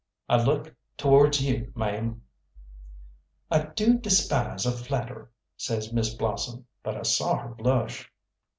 "I look towards you, ma'am." "I du despise a flatterer," says Miss Blossom, but I saw her blush.